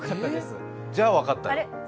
じゃあ分かったよ。